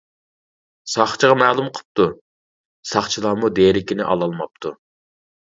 ساقچىغا مەلۇم قىپتۇ، ساقچىلارمۇ دېرىكىنى ئالالماپتۇ.